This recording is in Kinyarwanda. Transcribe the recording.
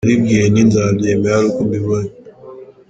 Naribwiye nti ‘nzabyemera ari uko mbibonye’.